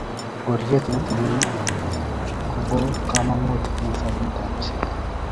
ngoriet ne tilil ko bo kamangut eng sabet ab jii